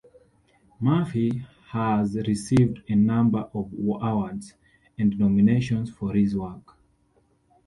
Murphy has received a number of awards and nominations for his work.